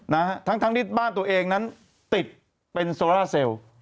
นะฮะทั้งทั้งที่บ้านตัวเองนั้นติดเป็นโซล่าเซลล์